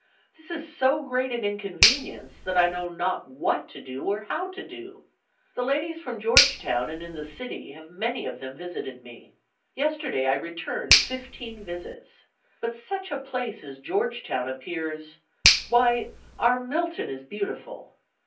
This is so great an inconvenience, that I know not what to do, or how to do. The ladies from Georgetown and in the city have many of them visited me. Yesterday I returned fifteen visits, but such a place as Georgetown appears, why, our Milton is beautiful.